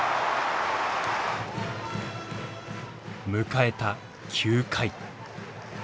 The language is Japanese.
迎えた９回。